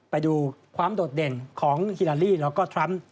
ไปดูความโดดเด่นของฮิลาลีแล้วก็ทรัมป์